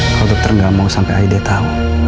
kalau dokter gak mau sampe aida tau